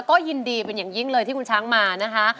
ก็ยินดีเป็นอย่างยิ่งเลยที่คุณช้างมานะคะ